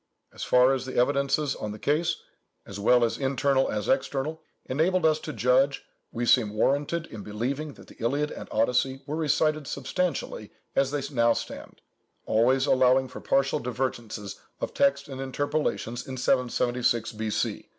As far as the evidences on the case, as well internal as external, enable us to judge, we seem warranted in believing that the Iliad and Odyssey were recited substantially as they now stand (always allowing for partial divergences of text and interpolations) in 776 B.C.